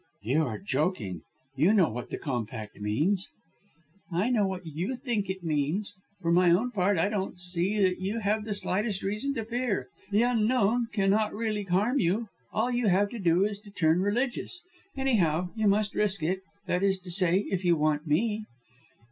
"You are joking you know what the Compact means!" "I know what you think it means. For my own part I don't see that you have the slightest reason to fear. The Unknown cannot really harm you. All you have to do is to turn religious. Anyhow you must risk it that is to say, if you want me."